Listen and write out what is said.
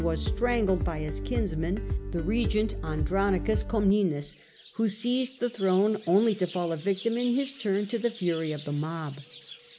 was strangled by his kinsman, the regent THE THIRD AND FOURTH CRUSADES 209 Andronicus Comnenus, who seized the throne, only to fall a victim in his turn to the fury of the mob.